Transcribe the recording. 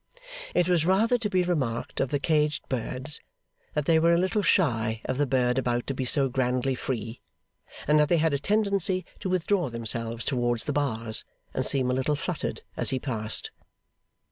It was rather to be remarked of the caged birds, that they were a little shy of the bird about to be so grandly free, and that they had a tendency to withdraw themselves towards the bars, and seem a little fluttered as he passed.